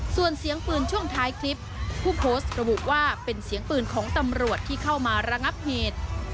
ส่วนเสียงปืนช่วงท้ายคลิปผู้โพสต์ระบุว่าเป็นเสียงปืนของตำรวจที่เข้ามาระงับเหตุ